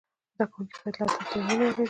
زدهکوونکي باید له ادب سره مینه ولري.